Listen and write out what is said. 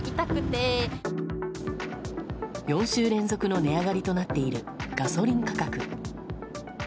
４週連続の値上がりとなっているガソリン価格。